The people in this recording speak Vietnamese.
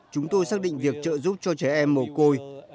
chúng tôi xác định việc trợ giúp cho trẻ em mồ côi